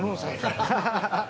ハハハハ。